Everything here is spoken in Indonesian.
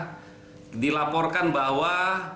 dilaporkan bahwa dilaporkan bahwa